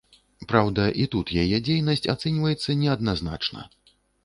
Праўда, і тут яе дзейнасць ацэньваецца неадназначна.